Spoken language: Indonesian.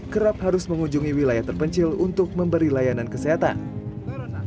kerap harus mengunjungi wilayah terpencil untuk memberi layanan kesehatan